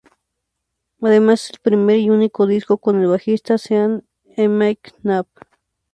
Además es el primer y único disco con el bajista Sean McNabb.